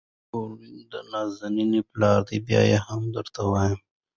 ګوره د نازنين پلاره ! بيا هم درته وايم.